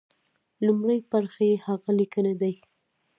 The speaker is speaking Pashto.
لومړۍ برخه يې هغه ليکنې دي.